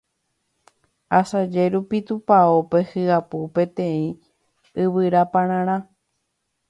Asaje rupi tupãópe hyapu peteĩ yvyrapararã